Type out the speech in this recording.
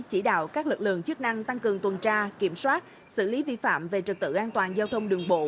chỉ đạo các lực lượng chức năng tăng cường tuần tra kiểm soát xử lý vi phạm về trực tự an toàn giao thông đường bộ